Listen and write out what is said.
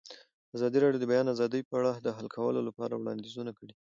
ازادي راډیو د د بیان آزادي په اړه د حل کولو لپاره وړاندیزونه کړي.